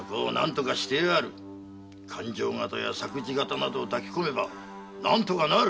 勘定方や作事方を抱き込めば何とかなる。